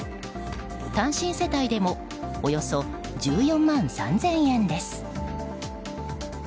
単身世帯でもおよそ１４万３０００円です。